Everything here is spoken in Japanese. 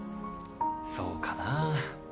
そうかな。